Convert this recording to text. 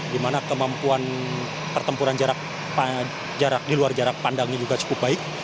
di mana kemampuan pertempuran jarak di luar jarak pandangnya juga cukup baik